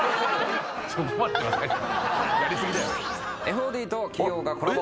ＦＯＤと企業がコラボ